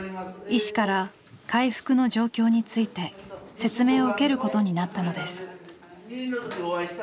医師から回復の状況について説明を受けることになったのです。